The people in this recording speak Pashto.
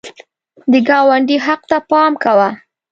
د ګاونډي حق ته پام کوه